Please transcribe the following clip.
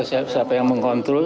siapa yang mengontrol